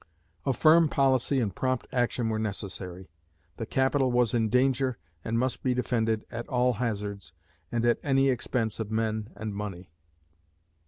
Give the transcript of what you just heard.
A firm policy and prompt action were necessary. The capital was in danger, and must be defended at all hazards, and at any expense of men and money."